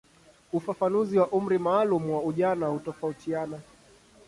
Ufafanuzi wa umri maalumu wa ujana hutofautiana.